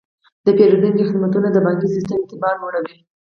د پیرودونکو خدمتونه د بانکي سیستم اعتبار لوړوي.